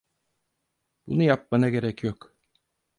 Bunu yapmana gerek yok.